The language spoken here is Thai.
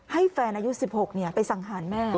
ให้แฟนอายุ๑๖ไปสั่งหารแม่